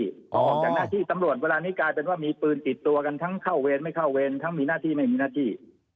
พอออกจากหน้าที่ตำรวจเวลานี้กลายเป็นว่ามีปืนติดตัวกันทั้งเข้าเวรไม่เข้าเวรทั้งมีหน้าที่ไม่มีหน้าที่